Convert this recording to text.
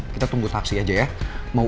kita tunggu taksi aja ya mau